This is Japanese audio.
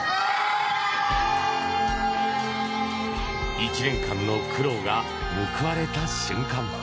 １年間の苦労が報われた瞬間。